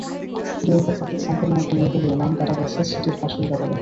দু-একবার চাকরির সম্ভাবনা তৈরি হলেও নাম কাটা গেছে ছিটের বাসিন্দা বলে।